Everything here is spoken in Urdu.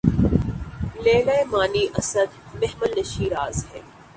لیلیِ معنی اسد! محمل نشینِ راز ہے